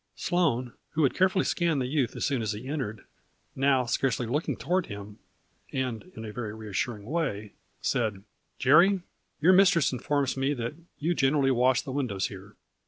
Sloane, who had carefully scanned the youth as soon as he entered now, scarcely looking toward him, and in a very reassuring way, said : "Jerry, your mistress informs me that you generally wash the windows here.